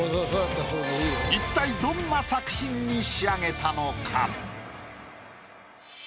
一体どんな作品に仕上げたのか？